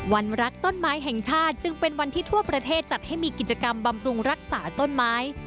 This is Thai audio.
วันรักต้นไม้แห่งชาติจึงเป็นวันที่ทั่วประเทศจัดให้มีกิจกรรมบำรุงรักษาต้นไม้